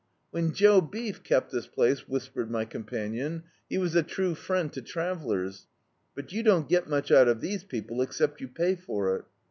"When Joe Beef kept this place," whis pered my companion, "he was a true friend to trav ellers, but you don't get much out of these people except you pay for it!"